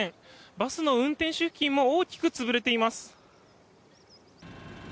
バスの運転席付近も大きく潰れています。